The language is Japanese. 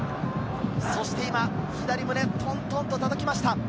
そして左胸をトントンとたたきました。